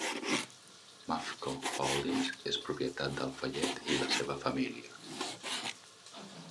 Mafco Holdings és propietat d'Al-Fayed i la seva família.